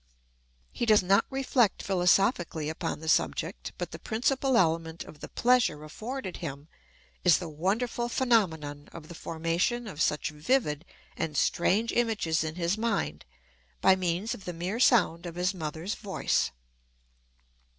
He does not reflect philosophically upon the subject, but the principal element of the pleasure afforded him is the wonderful phenomenon of the formation of such vivid and strange images in his mind by means of the mere sound of his mother's voice.